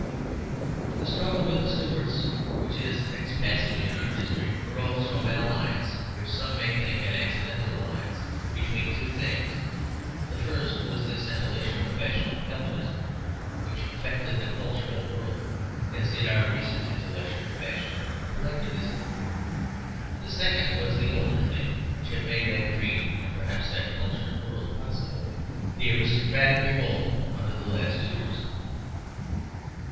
The struggle with the Stuarts, which is the next passage in our history, arose from an alliance, which some may think an accidental alliance, between two things. The first was this intellectual fashion of Calvinism which affected the cultured world as did our recent intellectual fashion of Collectivism. The second was the older thing which had made that creed and perhaps that cultured world possible the aristocratic revolt under the last Tudors.